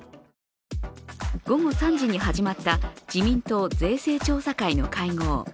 午後３時に始まった自民党税制調査会の会合。